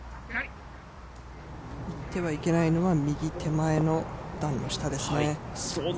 行ってはいけないのは、右手前の段の下ですね。